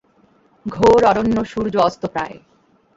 ঘোর অরণ্য, সূর্য অস্তপ্রায়।